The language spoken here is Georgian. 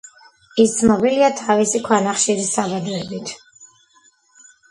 ის ცნობილია თავისი ქვანახშირის საბადოებით.